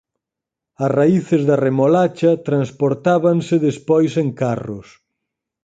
As raíces de remolacha transportábanse despois en carros.